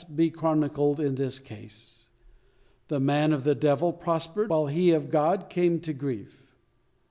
be chronicled in this case. The man of the Devil prospered, while he of God came to grief.